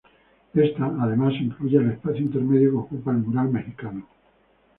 Esta, además, incluye el espacio intermedio que ocupa el mural mexicano.